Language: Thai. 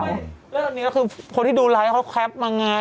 แล้วตอนนี้ก็คือคนที่ดูไลฟ์เขาแคปมาไง